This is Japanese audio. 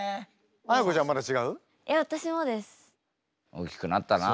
大きくなったなあ。